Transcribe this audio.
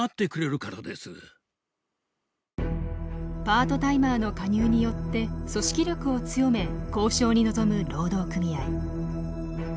パートタイマーの加入によって組織力を強め交渉に臨む労働組合。